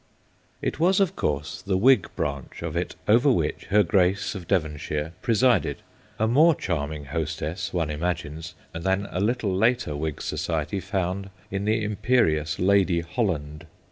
It was, of course, the Whig branch of it over which her Grace of Devonshire pre sided, a more charming hostess, one imagines, than a little later Whig society found in the imperious Lady Holland.